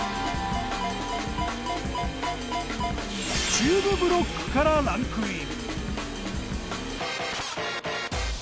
中部ブロックからランクイン。